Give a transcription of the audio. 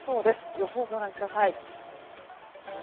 予報をご覧ください。